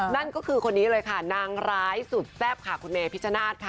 นั่นก็คือคนนี้เลยค่ะนางร้ายสุดแซ่บค่ะคุณเมพิชนาธิ์ค่ะ